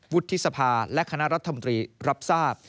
วุฒิสภาและคณะรัฐมนตรีรับทราบ